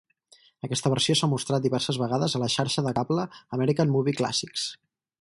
Aquesta versió s'ha mostrat diverses vegades a la xarxa de cable American Movie Classics.